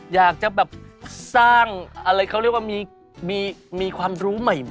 อยากจะแบบสร้างอะไรเขาเรียกว่ามีความรู้ใหม่